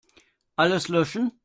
Alles löschen.